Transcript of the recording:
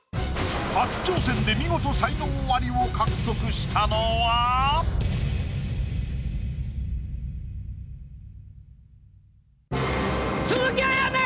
初挑戦で見事才能アリを獲得したのは⁉鈴木絢音！